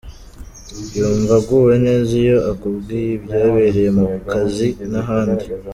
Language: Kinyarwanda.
Yumva aguwe neza iyo akubwiye ibyabereye mu kazi, n’ ahandi.